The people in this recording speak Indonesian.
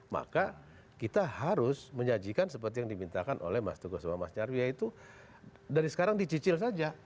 maka kita harus menyajikan seperti yang dimintakan oleh mas tugas bahwa mas nyarwi yaitu dari sekarang dicicil saja